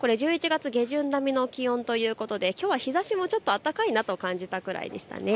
１１月下旬並みの気温ということで、きょうは日ざしもちょっと暖かいなと感じたくらいです。